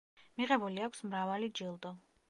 მიღებული აქვს მრავალი ჯილდო.